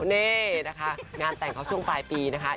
นี่นะคะงานแต่งเขาช่วงปลายปีนะคะ